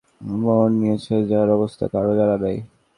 সেখান থেকে আবার এমন একদিকে মোড় নিয়েছে যার অবস্থা কারো জানা নেই।